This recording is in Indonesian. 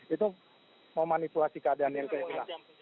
itu memanipulasi keadaan yang kayak hilang